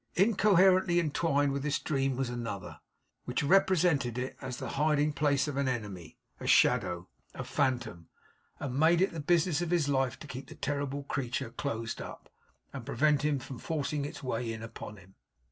Incoherently entwined with this dream was another, which represented it as the hiding place of an enemy, a shadow, a phantom; and made it the business of his life to keep the terrible creature closed up, and prevent it from forcing its way in upon him.